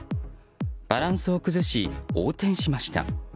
バランスを崩し、横転しました。